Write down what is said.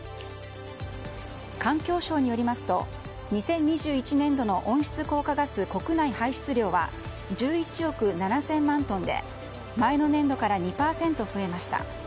環境省によりますと２０２１年度の温室効果ガス国内排出量は１１億７０００万トンで前の年度から２％増えました。